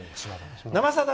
「「生さだ」